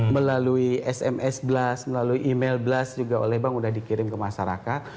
melalui sms blast melalui email blast juga oleh bank sudah dikirim ke masyarakat